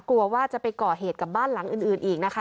กลัวว่าจะไปก่อเหตุกับบ้านหลังอื่นอีกนะคะ